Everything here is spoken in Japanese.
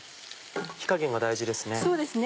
火加減が大事ですね。